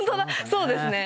そうですね。